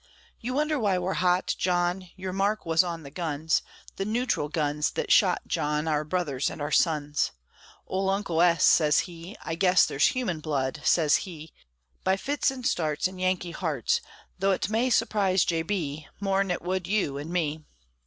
You wonder why we're hot, John? Your mark wuz on the guns, The neutral guns, thet shot, John, Our brothers an' our sons: Ole Uncle S. sez he, "I guess There's human blood," sez he, "By fits an' starts, in Yankee hearts, Though 't may surprise J. B. More 'n it would you an' me."